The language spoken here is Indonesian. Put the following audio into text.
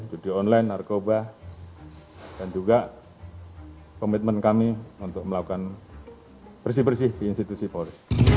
judi online narkoba dan juga komitmen kami untuk melakukan bersih bersih di institusi polri